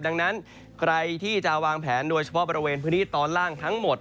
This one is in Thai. ดังนั้นใครที่จะวางแผนโดยเฉพาะบริเวณพื้นที่ตอนล่างทั้งหมด